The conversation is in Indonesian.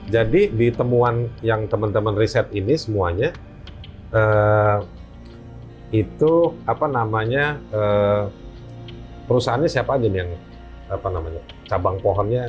jadi di temuan yang teman teman riset ini semuanya itu perusahaannya siapa aja nih yang cabang pohonnya